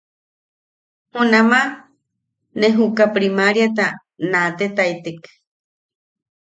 Junama ne juka primaariata naatetaitek.